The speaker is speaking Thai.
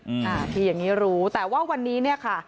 อ่าที่อย่างงี้รู้แต่ว่าวันนี้เนี่ยค่ะ